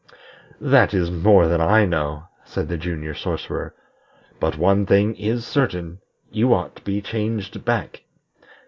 "That is more than I know," said the Junior Sorcerer. "But one thing is certain you ought to be changed back.